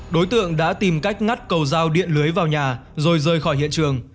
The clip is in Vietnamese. đối tượng đã tìm cách ngắt cầu rào điện lưới vào nhà rồi rơi khỏi hiện trường